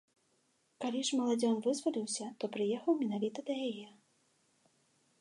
Калі ж маладзён вызваліўся, то прыехаў менавіта да яе.